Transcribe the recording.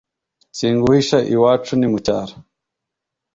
singuhisha iwacu ni mucyaro